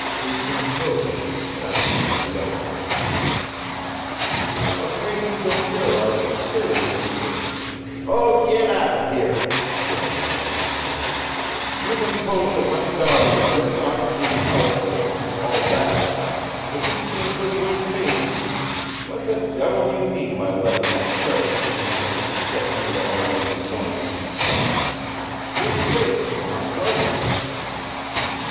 Hastings rose, astounded by the outbreak. "I'm afraid you don't realize the seriousness of " "Oh, get out of here!" Sloane interrupted again. "You've imposed on my daughter with your talk of being helpful, and all that rot, but you can't hoodwink me. What the devil do you mean by letting that sheriff come in here and subject me to all this annoyance and shock? You'd save us from unpleasantness!"